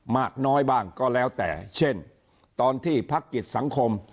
มากน้อยบ้างก็แล้วแต่เช่นตอนที่พักกิจสังคม